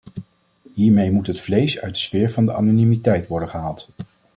Hiermee moet het vlees uit de sfeer van de anonimiteit worden gehaald.